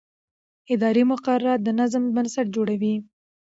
اداري مقررات د نظم بنسټ جوړوي.